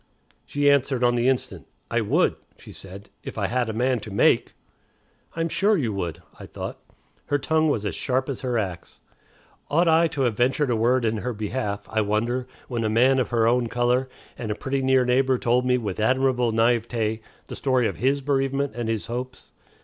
She answered on the instant. "I would," she said, "if I had a man to make." "I'm sure you would," I thought. Her tongue was as sharp as her axe. Ought I to have ventured a word in her behalf, I wonder, when a man of her own color, and a pretty near neighbor, told me with admirable naïveté the story of his bereavement and his hopes?